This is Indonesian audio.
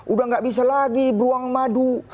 udah gak bisa lagi beruang madu